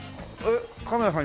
カメラさん